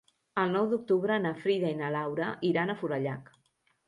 El nou d'octubre na Frida i na Laura iran a Forallac.